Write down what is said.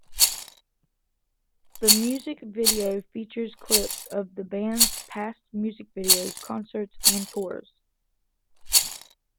The music video features clips of the band's past music videos, concerts, and tours.